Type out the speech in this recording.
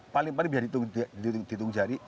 paling paling bisa dihitung jari